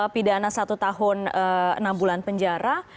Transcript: pidana satu tahun enam bulan penjara